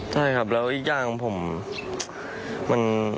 ใช่ครับแล้วอีกอย่างของผม